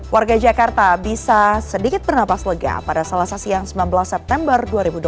warga jakarta bisa sedikit bernapas lega pada selasa siang sembilan belas september dua ribu dua puluh